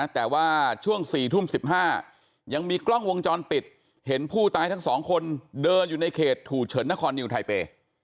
แต่ว่าช่วง๔ทุ่ม๑๕ยังมีกล้องวงจรปิดเห็นผู้ตายทั้งสองคนเดินอยู่ในเขตถูเฉินนครนิวไทเปย์